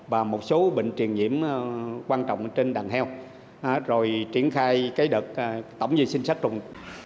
và một số bệnh truyền nhiễm quan trọng trên đàn heo rồi triển khai đợt tổng vệ sinh sát trùng